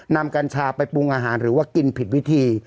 กัญชาไปปรุงอาหารหรือว่ากินผิดวิธี